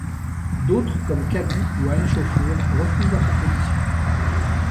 D'autres, comme Cabu ou Alain Chauffour, refusent la proposition.